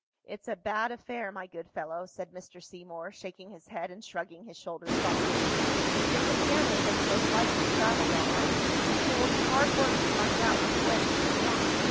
"It's a bad affair, my good fellow," said Mr. Seymour, shaking his head and shrugging his shoulders thoughtfully. "Your companion has most likely travelled all night, and it will be hard work to find out which way he has gone.